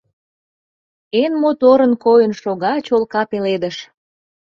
Эн моторын койын шога чолка пеледыш.